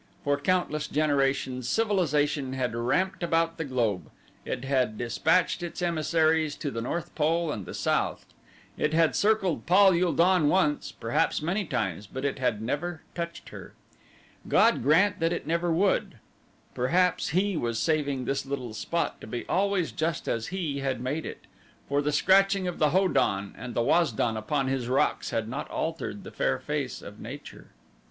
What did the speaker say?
For countless generations civilization had ramped about the globe; it had dispatched its emissaries to the North Pole and the South; it had circled Pal ul don once, perhaps many times, but it had never touched her. God grant that it never would. Perhaps He was saving this little spot to be always just as He had made it, for the scratching of the Ho don and the Waz don upon His rocks had not altered the fair face of Nature.